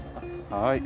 はい。